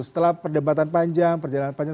setelah perdebatan panjang perjalanan panjang